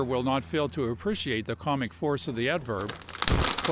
ATLANTA 285 not fail to appreciate the comic force of the adverb, chap.